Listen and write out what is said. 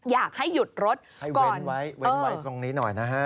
อยากให้หยุดรถให้เว้นไว้เว้นไว้ตรงนี้หน่อยนะฮะ